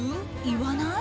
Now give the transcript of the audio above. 言わない？